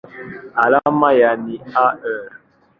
Alama yake ni Ar.